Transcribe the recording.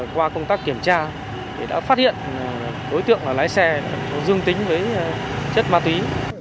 qua công tác kiểm tra đã phát hiện đối tượng là lái xe dương tính với chất ma túy